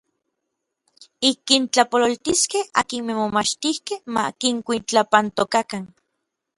Ik kintlapololtiskej akinmej momachtijkej ma kinkuitlapantokakan.